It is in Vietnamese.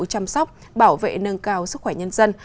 chăm sóc bảo vệ nâng cao sức khỏe nhân dân